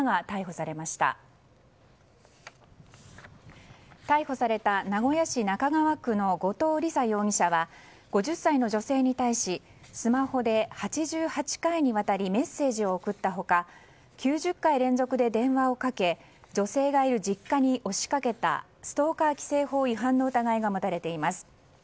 逮捕された名古屋市中川区の後藤理佐容疑者は５０歳の女性に対しスマホで８８回にわたりメッセージを送った他９０回連続で電話をかけ女性がいる実家に押し掛けたストーカー規制法違反の疑いが持たれています。